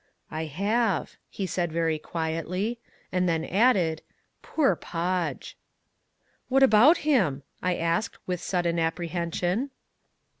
"I have," he said very quietly, and then added, "poor Podge!" "What about him?" I asked with sudden apprehension.